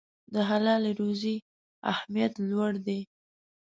د حلالې روزي اهمیت لوړ دی.